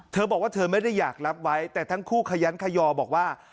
เธอบอกว่าเธอไม่ได้อยากรับไว้แต่ทั้งคู่ขยันขยอบอกว่า